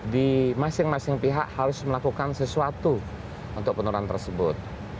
di masing masing pihak harus melakukan sesuatu untuk penurunan tersebut